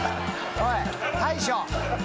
おい大将！